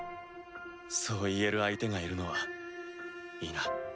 そう言える相手がいるのはいいな。